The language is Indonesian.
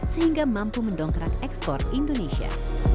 sehingga mampu mendongkrak ekspor indonesia